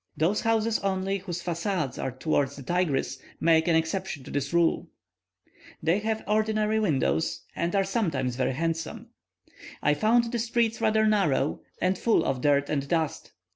Those houses only whose facades are towards the Tigris make an exception to this rule; they have ordinary windows, and are sometimes very handsome. I found the streets rather narrow, and full of dirt and dust.